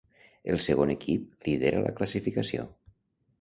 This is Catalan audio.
El segon equip lidera la classificació.